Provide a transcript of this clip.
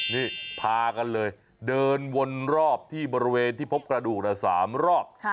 นี่พากันเลยเดินวนรอบที่บริเวณที่พบกระดูก๓รอบ